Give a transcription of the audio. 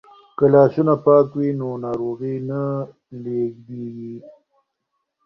که لاسونه پاک وي نو ناروغي نه لیږدیږي.